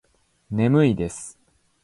眠いです。